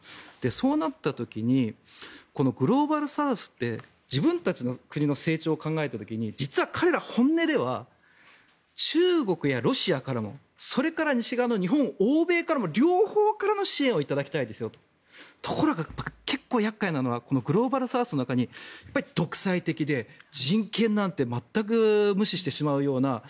そうなった時にこのグローバルサウスって自分たちの国の成長を考えた時実は彼ら、本音では中国やロシアからもそれから西側、日本などの欧米からも、両方からの支援を頂きたいですよとところが、結構厄介なのはこのグローバルサウスの中に独裁的であれ？